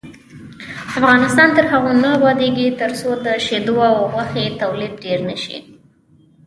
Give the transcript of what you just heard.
افغانستان تر هغو نه ابادیږي، ترڅو د شیدو او غوښې تولید ډیر نشي.